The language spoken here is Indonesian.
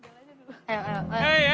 ke foto yang ketiga